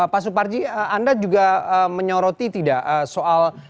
pak suparji anda juga menyoroti tidak soal